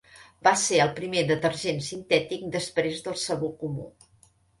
Va ser el primer detergent sintètic després del sabó comú.